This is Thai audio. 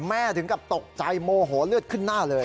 ถึงกับตกใจโมโหเลือดขึ้นหน้าเลย